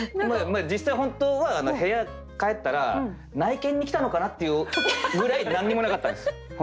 実際本当は部屋帰ったら「内見に来たのかな？」っていうぐらい何にもなかったんです本当に。